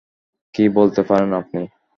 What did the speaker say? কী বলতে পারেন আপনি?